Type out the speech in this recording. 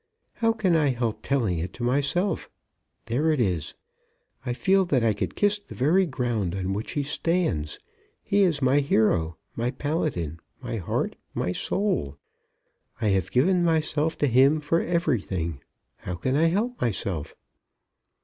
How can I help telling it to myself? There it is. I feel that I could kiss the very ground on which he stands. He is my hero, my Paladin, my heart, my soul. I have given myself to him for everything. How can I help myself?"